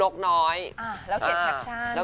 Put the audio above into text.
แต่ของไออย่างเท่เครียด